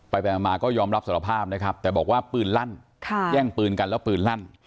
ไปไปมาก็ยอมรับสารภาพนะครับแต่บอกว่าปืนลั่นแย่งปืนกันแล้วปืนลั่น